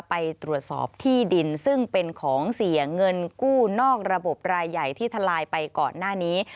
ไปตรวจสอบที่ดินซึ่งเป็นของเสียเงินกู้นอกระบบรายใหญ่ที่ทลายไปก่อนหน้านี้